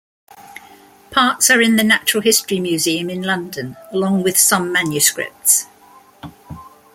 Parts are in the Natural History Museum in London along with some manuscripts.